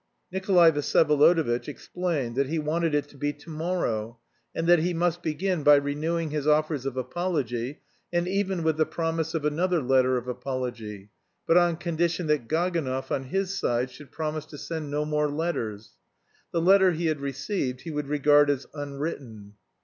Nikolay Vsyevolodovitch explained that he wanted it to be to morrow, and that he must begin by renewing his offers of apology, and even with the promise of another letter of apology, but on condition that Gaganov, on his side, should promise to send no more letters. The letter he had received he would regard as unwritten.